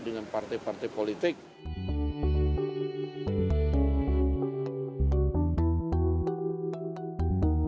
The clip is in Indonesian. dengan partai partai yang lebih berhubungan dengan gerindra